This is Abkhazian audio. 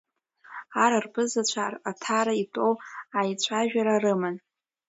Ар рԥызацәа Аҭара итәоу аицәажәара рыман.